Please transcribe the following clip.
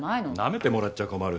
舐めてもらっちゃ困る。